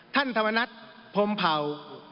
ท่านธรรมนัทพรมเผา